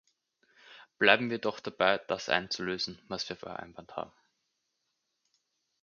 Bleiben wir doch dabei, das einzulösen, was wir vereinbart haben.